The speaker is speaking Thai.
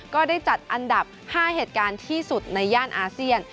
ก็ได้จัดอันดับ๕เหตุการณ์ที่สุดในย่านอาเซียน